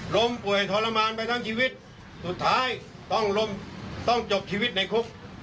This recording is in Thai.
ล้มป่วยทรมานไปทั้งชีวิตสุดท้ายต้องล้มต้องจบชีวิตในคุก